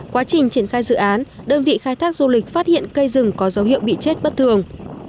quá trình triển khai dự án đơn vị khai thác du lịch phát hiện cây rừng có dấu hiệu bị chết bất thường